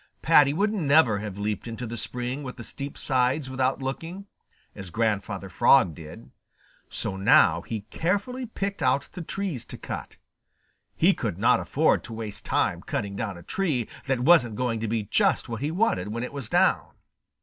Paddy would never have leaped into the spring with the steep sides without looking, as Grandfather Frog did. So now he carefully picked out the trees to cut. He could not afford to waste time cutting down a tree that wasn't going to be just what he wanted when it was down.